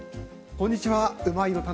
こんにちは。